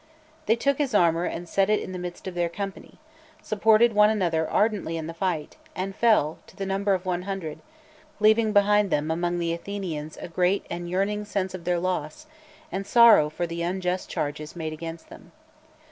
They took his armour and set it in the midst of their company, supported one another ardently in the fight, and fell, to the number of one hundred, leaving behind them among the Athenians a great. and yearning sense of their loss, and sorrow for the unjust charges made against them.